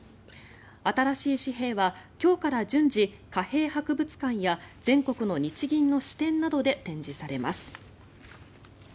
新しい紙幣は今日から順次、貨幣博物館や全国の日銀の支店などで展示されます。